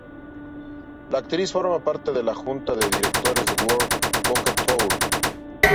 La actriz forma parte de la junta de directores del World Poker Tour.